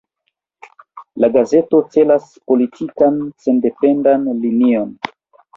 La gazeto celas politikan sendependan linion.